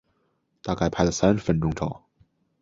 大概拍了三十分钟照